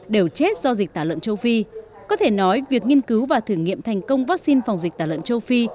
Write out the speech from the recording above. đều chết do dịch tả lợn châu phi có thể nói việc nghiên cứu và thử nghiệm thành công vaccine phòng dịch tả lợn châu phi